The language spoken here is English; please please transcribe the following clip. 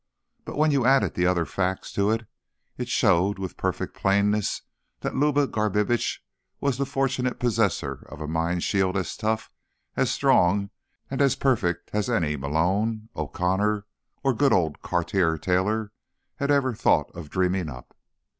But when you added the other facts to it, it showed, with perfect plainness, that Luba Garbitsch was the fortunate possessor of a mind shield as tough, as strong and as perfect as any Malone, O'Connor or good old Cartier Taylor had ever even thought of dreaming up.